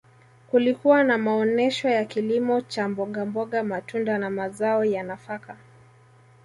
kulikuwa na maonesho ya kilimo cha mbogamboga matunda na mazao ya nafaka